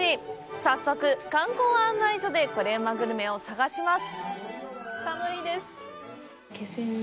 早速、観光案内所でコレうまグルメを聞いてみます。